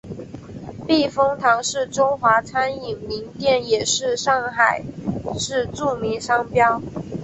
避风塘是中华餐饮名店也是上海市著名商标。